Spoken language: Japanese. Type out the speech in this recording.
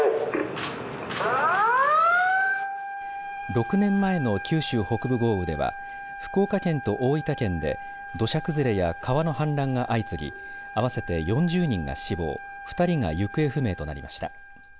６年前の九州北部豪雨では福岡県と大分県で土砂崩れや川の氾濫が相次ぎ合わせて４０人が死亡２人が行方不明となりました。